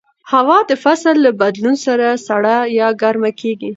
هوا د فصل له بدلون سره سړه یا ګرمه کېږي